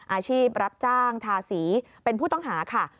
อาชีพรับจ้างทาสีเป็นผู้ต้องหาค่ะ